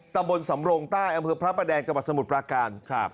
ตำบลสำรงใต้อำเภอพระประแดงจังหวัดสมุทรปราการครับ